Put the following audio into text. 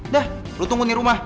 dah lo tunggu di rumah